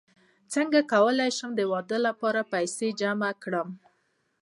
څنګه کولی شم د واده لپاره پیسې جمع کړم